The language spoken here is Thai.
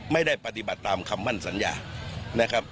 ไม่ได้ปฏิบัติตามคำมั่นสัญญานะครับ